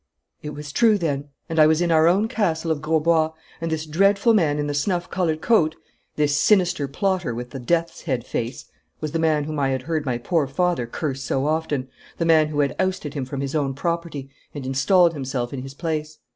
It was true then, and I was in our own castle of Grosbois, and this dreadful man in the snuff coloured coat, this sinister plotter with the death's head face, was the man whom I had heard my poor father curse so often, the man who had ousted him from his own property and installed himself in his place.